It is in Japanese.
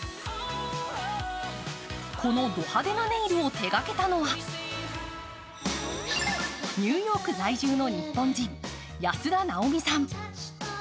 このド派手なネイルを手がけたのはニューヨーク在住の日本人、安田直美さん。